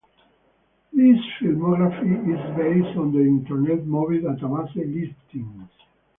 This filmography is based on the Internet Movie Database listings.